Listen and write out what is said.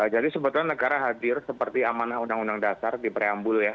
jadi sebetulnya negara hadir seperti amanah undang undang dasar di preambul ya